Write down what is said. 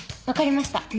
分かりました。